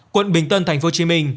quận bình tân tp hcm